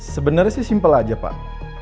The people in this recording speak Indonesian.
sebenarnya sih simpel aja pak